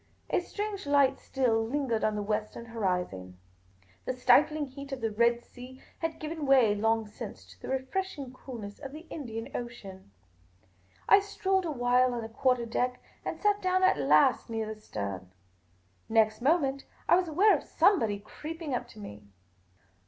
A strange light still lingered on the western horizon. The stifling heat of the Red Sea had given way long since to the refreshing coolness of the Indian Ocean. I strolled a while on the quarter deck, and sat down at last near the stern. Next moment, I was aware of somebody creeping up to me.